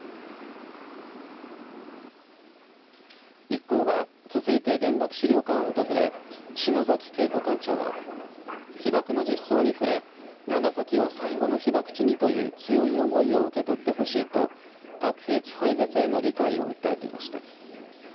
一行は続いて原爆資料館を訪れ篠ざき桂子館長は被爆の実相に触れ長崎を最後の被爆地にという強い思いを受け取ってほしいと核兵器廃絶への理解を訴えていました。